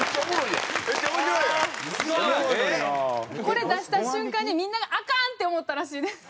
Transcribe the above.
これ出した瞬間にみんながアカン！って思ったらしいです。